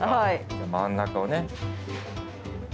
じゃあ、真ん中をね。